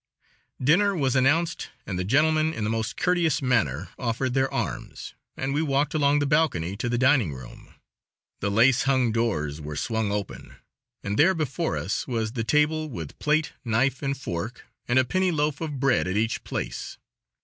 Dinner was announced and the gentlemen, in the most courteous manner, offered their arms, and we walked along the balcony to the dining room. The lace hung doors were swung open, and there before us was the table with plate, knife and fork, and a penny loaf of bread at each place.